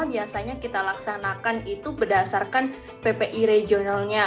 untuk buka bersama biasanya kita laksanakan itu berdasarkan ppi regionalnya